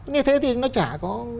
như thế thì nó chả có